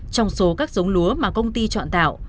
trong số các giống lúa mà công ty chọn tạo